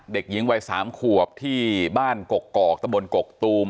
เด็กหญิงวัย๓ขวบที่บ้านกกอกตะบนกกตูม